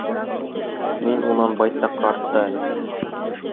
Мин унан байтаҡҡа артта әле.